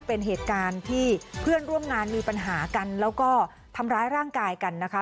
เป็นเหตุการณ์ที่เพื่อนร่วมงานมีปัญหากันแล้วก็ทำร้ายร่างกายกันนะคะ